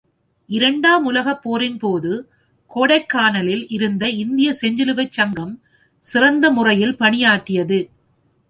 இரண்டாம் உலகப் போரின்போது கோடைக்கானலில் இருந்த இந்திய செஞ்சிலுவைச் சங்கம் சிறந்த முறையில் பணியாற்றியது.